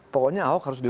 pokoknya ahok harus mencari